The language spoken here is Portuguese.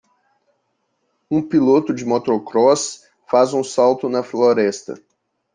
Um piloto de motocross faz um salto na floresta.